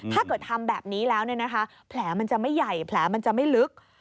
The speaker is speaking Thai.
ถ้าเกิดทำแบบนี้แล้วแผลมันจะไม่ใหญ่แผลมันจะไม่ลึก